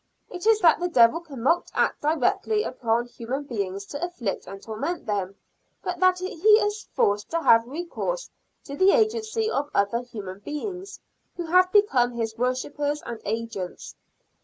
It is that the devil cannot act directly upon human beings to afflict and torment them; but that he is forced to have recourse to the agency of other human beings, who have become his worshipers and agents.